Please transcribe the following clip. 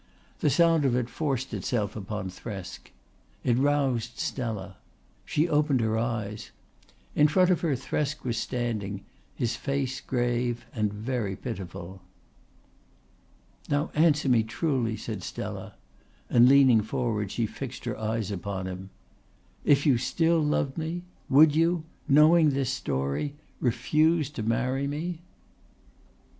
The sound of it forced itself upon Thresk. It roused Stella. She opened her eyes. In front of her Thresk was standing, his face grave and very pitiful. "Now answer me truly," said Stella, and leaning forward she fixed her eyes upon him. "If you still loved me, would you, knowing this story, refuse to marry me?"